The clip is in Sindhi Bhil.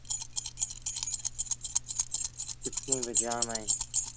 چپسيٚݩ با جآم اهيݩ ۔